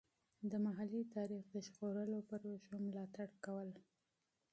د محلي تاریخ د ژغورلو پروژو ملاتړ کول.